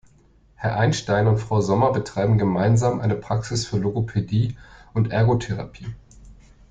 Herr Einstein und Frau Sommer betreiben gemeinsam eine Praxis für Logopädie und Ergotherapie.